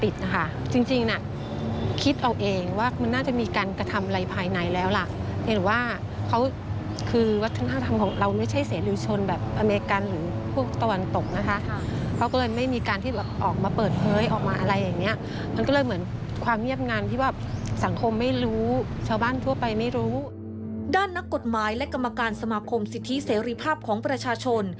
ด้านนักกฎหมายและกรรมการสมาคมสิทธิเสรีภาพของประชาชน